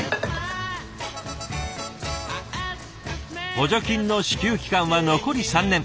補助金の支給期間は残り３年。